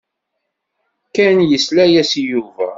Ken yesla-as i Yuba.